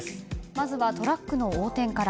まずはトラックの横転から。